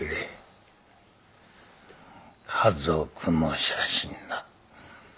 家族の写真だ